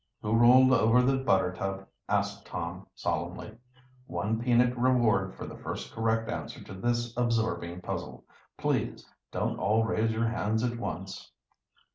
"Who rolled over the buttertub?" asked Tom solemnly. "One peanut reward for the first correct answer to this absorbing puzzle. Please don't all raise your hands at once."